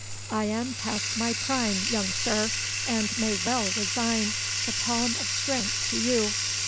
I am past my prime, young sir, and may well resign the palm of strength to you.